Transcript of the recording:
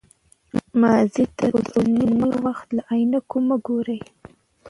ماضي ته د اوسني وخت له عینکو مه ګورئ.